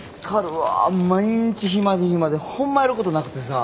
毎日暇で暇でホンマやることなくてさ。